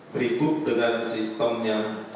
berikut dengan sistem yang